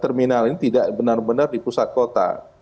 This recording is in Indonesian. terminal ini tidak benar benar di pusat kota